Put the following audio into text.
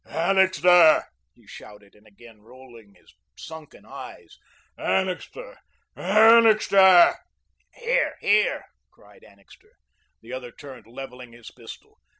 "Annixter," he shouted, and again, rolling his sunken eyes, "Annixter, Annixter!" "Here, here," cried Annixter. The other turned, levelling his pistol.